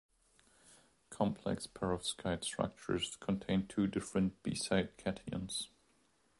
Complex perovskite structures contain two different B-site cations.